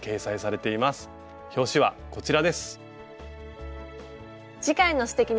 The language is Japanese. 表紙はこちらです。